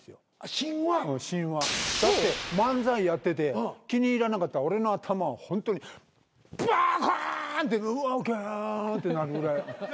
だって漫才やってて気に入らなかったら俺の頭をホントにバコーンって動けんってなるぐらいこの男。